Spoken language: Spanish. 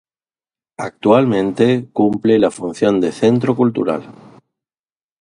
Actualmente cumple la función de centro cultural.